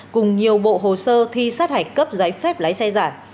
cùng nhiều bộ hồ sơ thi sát hạch cấp giấy phép lái xe giả